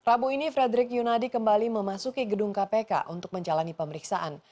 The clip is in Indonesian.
rabu ini frederick yunadi kembali memasuki gedung kpk untuk menjalani pemeriksaan